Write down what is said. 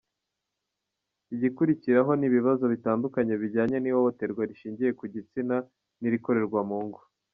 Igikurikiraho ni ibibazo bitandukanye bijyanye n’ihohoterwa rishingiye ku gitsina n’irikorerwa mu ngo.